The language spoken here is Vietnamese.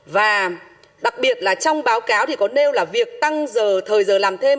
và đặc biệt là trong báo cáo thì có nêu là việc tăng giờ thời giờ làm thêm